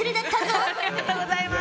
ありがとうございます！